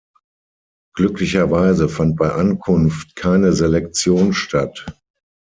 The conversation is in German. Glücklicherweise fand bei Ankunft keine Selektion statt.